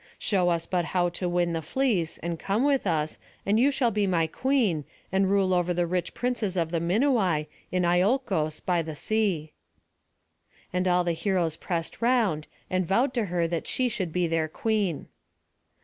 Show us but how to win the fleece, and come with us, and you shall be my queen, and rule over the rich princes of the Minuai, in Iolcos by the sea." And all the heroes pressed round, and vowed to her that she should be their queen.